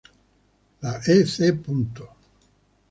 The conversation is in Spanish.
La ec.